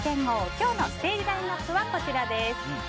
今日のステージラインアップはこちらです。